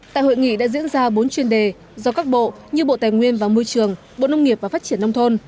tại hội nghị đã diễn ra bốn chuyên đề do các bộ như bộ tài nguyên và môi trường bộ nông nghiệp và phát triển nông thôn